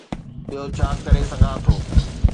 ٻيو ڇا ڪري سگهان ٿو؟